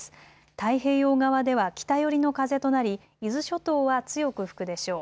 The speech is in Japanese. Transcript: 太平洋側では北寄りの風となり伊豆諸島は強く吹くでしょう。